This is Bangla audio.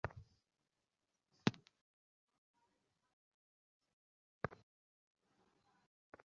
স্পেয়ার চাকা লাগাতেও অনেক সময় লাগল।